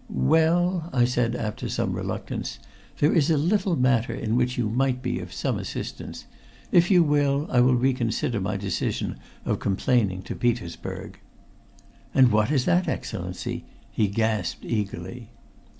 "Well," I said after some reluctance, "there is a little matter in which you might be of some assistance. If you will, I will reconsider my decision of complaining to Petersburg." "And what is that, Excellency?" he gasped eagerly.